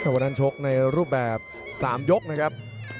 วันนั้นชกในรูปแบบ๓ยกนะครับ